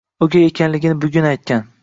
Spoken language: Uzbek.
O'gay ekanligini bugun aytgan